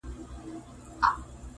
ورانه یــې دنیا کـــــړه د لوهـار د زړۀ